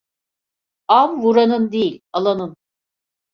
Av vuranın değil alanın.